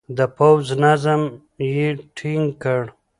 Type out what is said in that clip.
د پوځ نظم يې ټينګ کړ.